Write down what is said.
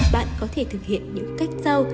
bạn có thể thực hiện những cách sau